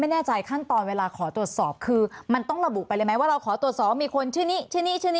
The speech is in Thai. ไม่แน่ใจขั้นตอนเวลาขอตรวจสอบว่าเราขอตรวจสอบมีคนชื่อ